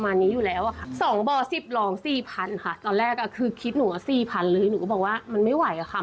ตอนแรกคือคลิปหนูว่า๔๐๐๐เลยหนูก็บอกว่ามันไม่ไหวค่ะ